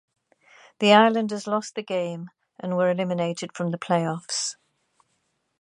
The Islanders lost the game and were eliminated from the playoffs.